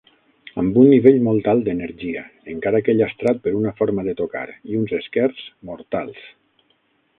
Amb un nivell molt alt d"energia, encara que llastrat per una forma de tocar i uns esquers mortals.